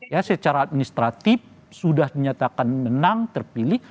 ya secara administratif sudah dinyatakan menang terpilih